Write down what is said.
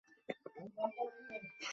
তিনি ইয়ামামার যুদ্ধে নিহত হন।